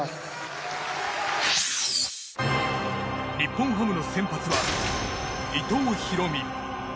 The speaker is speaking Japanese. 日本ハムの先発は伊藤大海。